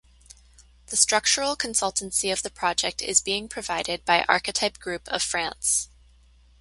The structural consultancy of the project is being provided by Archetype Group of France.